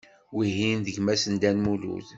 Wihin d gma-s n Dda Lmulud.